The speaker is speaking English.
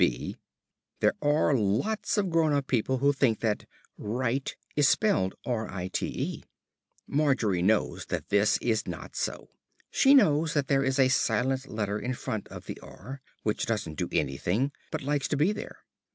(b) There are lots of grown up people who think that "write" is spelt "rite." Margery knows that this is not so. She knows that there is a silent letter in front of the "r," which doesn't do anything, but likes to be there.